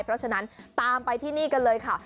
เพราะฉะนั้นตามไปที่นี่กันเลยค่ะ